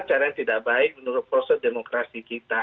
cara yang tidak baik menurut proses demokrasi kita